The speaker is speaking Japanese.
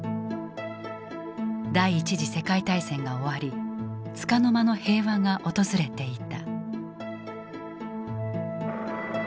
第一次世界大戦が終わりつかの間の平和が訪れていた。